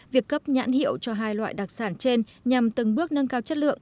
việc cấp nhãn hiệu cho hai loại đặc sản trên nhằm từng bước nâng cao chất lượng